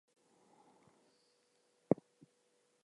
The journal publishes articles on nature conservation-related topics.